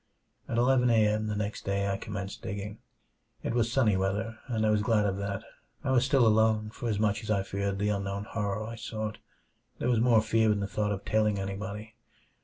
At eleven a. m. the next day I commenced digging. It was sunny weather, and I was glad of that. I was still alone, for as much as I feared the unknown horror I sought, there was more fear in the thought of telling anybody.